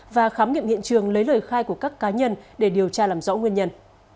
và khám nghiệm hiện trường lấy lời khai của các cá nhân để điều tra làm rõ nguyên nhân